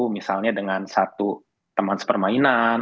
misalnya dengan satu teman permainan